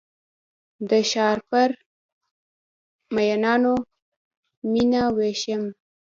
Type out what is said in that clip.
د ښارپر میینانو میینه ویشم